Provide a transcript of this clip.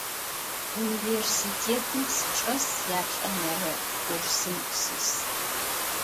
Университетым сычӏэс, яплӏэнэрэ курсым сис.